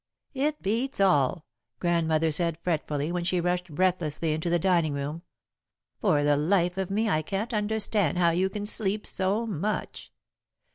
"It beats all," Grandmother said, fretfully, when she rushed breathlessly into the dining room. "For the life of me I can't understand how you can sleep so much."